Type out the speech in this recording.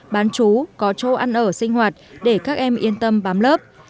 bán chú có chỗ ăn ở sinh hoạt để các em yên tâm bám lớp